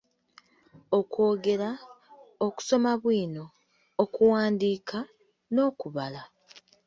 Okwogera, Okusoma bwino , Okuwandiika, N’okubala.